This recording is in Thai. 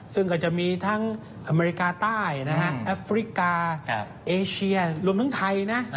ซึ่งก็จะมีทั้งอเมริกาใต้แอฟริกาเอเชียรวมทั้งไทยนะ